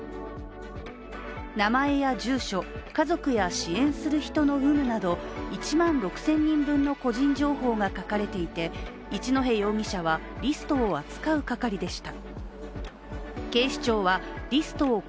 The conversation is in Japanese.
名前や住所、家族や支援する人の有無など１万６０００人分の個人情報が書かれていて一戸容疑者はリストを扱う係でした。